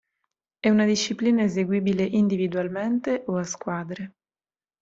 È una disciplina eseguibile individualmente o a squadre.